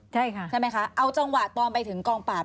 ใช่ค่ะใช่ไหมคะเอาจังหวะตอนไปถึงกองปราบ